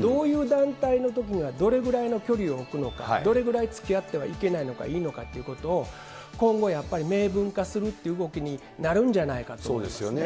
どういう団体のときにはどれぐらいの距離を置くのか、どれぐらいつきあってはいけないのか、いいのかということを、今後、やっぱり明文化するっていう動きになるんじゃないかと思いますね。